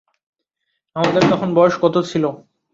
আমাদের তখন বয়স কত ছিল?